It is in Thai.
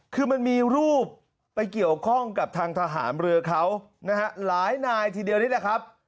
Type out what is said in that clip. คือมันมีรูปไปเกี่ยวข้องกับทางทหารเรือเขานะฮะหลายนายทีเดียวนี่แหละครับ